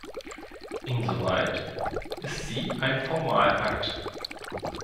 Insoweit ist sie ein Formalakt.